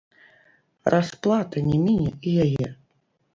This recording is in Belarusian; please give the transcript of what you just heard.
Расплата не міне і яе.